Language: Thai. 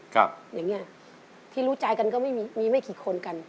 อย่างเงี้ยที่รู้ใจกันก็ไม่มีมีไม่กี่คนกัน